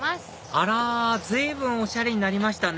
あら随分おしゃれになりましたね！